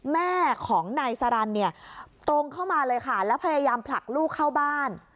แม่ของนายสรรเนี่ยตรงเข้ามาเลยค่ะแล้วพยายามผลักลูกเข้าบ้าน